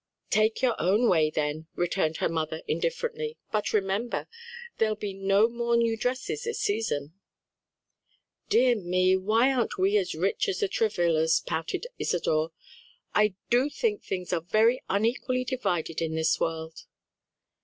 "Take your own way, then," returned her mother indifferently, "but remember there'll be no more new dresses this season." "Dear me, why aren't we as rich as the Travillas?" pouted Isadore. "I do think things are very unequally divided in this world."